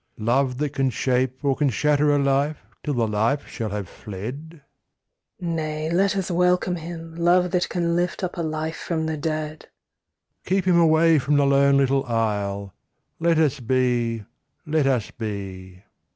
1. Love that can shape or can shatter a life till the life shall have fled ? 2. Nay, let us welcome him, Love that can lift up a life from the dead. 1. Keep him away from the lone little isle. Let us be, let us be.